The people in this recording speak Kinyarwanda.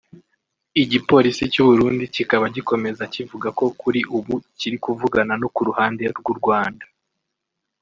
Igipolisi cy’u Burundi kikaba gikomeza kivuga ko kuri ubu kiri kuvugana no ku ruhande rw’u Rwanda